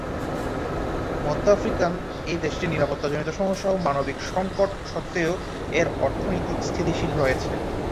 মধ্য আফ্রিকান এই দেশটির নিরাপত্তাজনিত সমস্যা এবং মানবিক সঙ্কট সত্ত্বেও এর অর্থনীতি স্থিতিশীল রয়েছে।